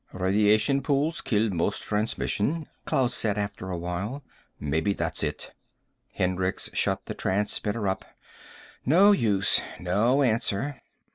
"Radiation pools kill most transmission," Klaus said, after awhile. "Maybe that's it." Hendricks shut the transmitter up. "No use. No answer.